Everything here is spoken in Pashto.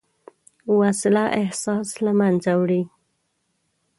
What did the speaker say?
وسله احساس له منځه وړي